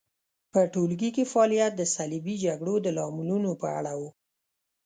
په ټولګي کې فعالیت د صلیبي جګړو د لاملونو په اړه و.